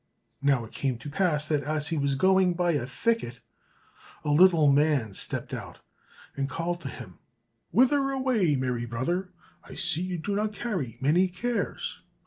Now it came to pass that as he was going by a thicket a little man stepped out, and called to him, "Whither away, merry brother? I see you do not carry many cares."